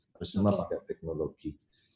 harus semua pakai teknologi